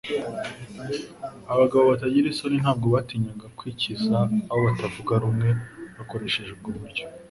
Abagabo batagira isoni ntabwo batinyaga kwikiza abo batavuga nunwe bakoresheje ubwo buryo.